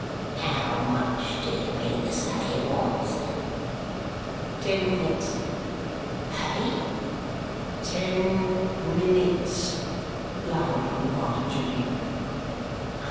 "How much do you mean to say it wants then?" "Ten minutes." "Hey?" "Ten minutes." (Loud on the part of Judy.)